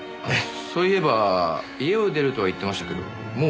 そういえば家を出るとは言ってましたけどもう？